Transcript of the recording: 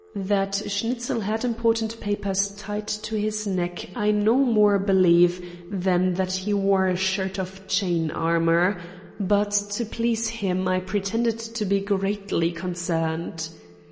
That Schnitzel had important papers tied to his neck I no more believe than that he wore a shirt of chain armor, but to please him I pretended to be greatly concerned.